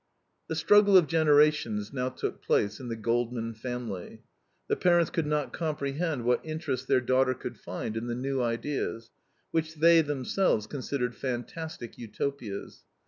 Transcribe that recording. The struggle of generations now took place in the Goldman family. The parents could not comprehend what interest their daughter could find in the new ideas, which they themselves considered fantastic utopias.